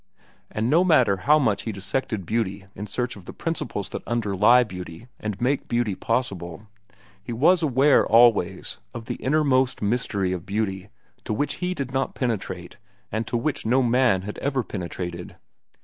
And no matter how much he dissected beauty in search of the principles that underlie beauty and make beauty possible, he was aware, always, of the innermost mystery of beauty to which he did not penetrate and to which no man had ever penetrated.